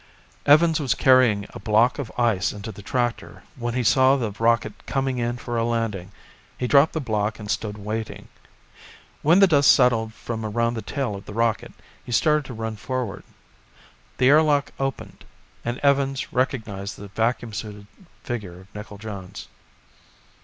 Evans was carrying a block of ice into the tractor when he saw the rocket coming in for a landing. He dropped the block and stood waiting. When the dust settled from around the tail of the rocket, he started to run forward. The air lock opened, and Evans recognized the vacuum suited figure of Nickel Jones.